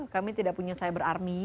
kami tidak punya cyber army